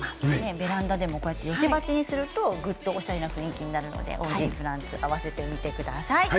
ベランダでも寄せ鉢にするとぐっとおしゃれな雰囲気になるのでオージープランツと合わせてみてください。